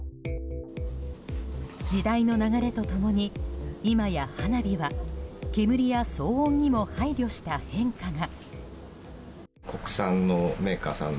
時代の流れと共に今や花火は煙や騒音にも配慮した変化が。